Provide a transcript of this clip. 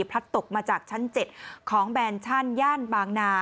ตกมาจากชั้น๗ของแบนชั่นย่านบางนา